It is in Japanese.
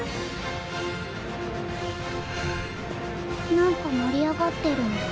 何か盛り上がってるの。